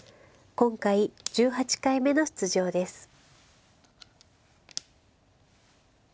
今回１８回目の出場です。